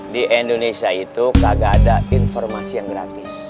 di indonesia itu kagak ada informasi yang gratis